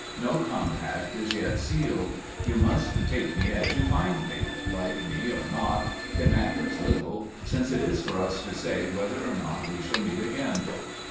No compact is yet sealed; you must take me as you find me, like me or not, it matters little, since it is for us to say whether or not we shall meet again.